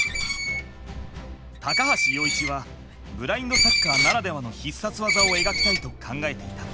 高橋陽一はブラインドサッカーならではの必殺技を描きたいと考えていた。